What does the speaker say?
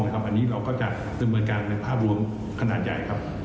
อันนี้เราก็จะดำเนินการในภาพรวมขนาดใหญ่ครับ